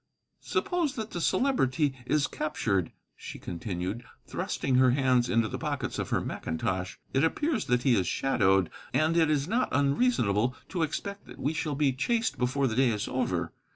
"Suppose that the Celebrity is captured," she continued, thrusting her hands into the pockets of her mackintosh. "It appears that he is shadowed, and it is not unreasonable to expect that we shall be chased before the day is over.